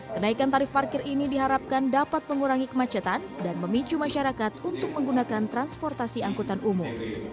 kenaikan tarif parkir ini diharapkan dapat mengurangi kemacetan dan memicu masyarakat untuk menggunakan transportasi angkutan umum